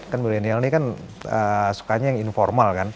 kan milenial ini kan sukanya yang informal kan